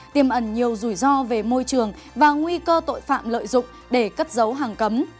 tiềm ẩn nhiều rủi ro về môi trường và nguy cơ tội phạm lợi dụng để cất giấu hàng cấm